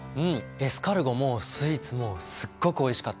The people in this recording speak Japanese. エスカルゴもスイーツもすっごくおいしかった。